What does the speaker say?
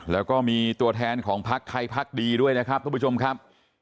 แล้วก็มีตัวแทนของพักไทยพักดีด้วยนะครับทุกผู้ชมครับ